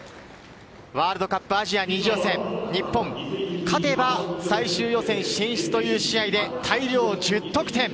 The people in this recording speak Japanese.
ワールドカップアジア２次予選、日本勝てば最終予選進出という試合で大量１０得点。